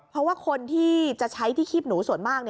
เพราะว่าคนที่จะใช้ที่คีบหนูส่วนมาก